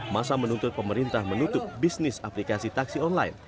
masa menuntut pemerintah menutup bisnis aplikasi taksi online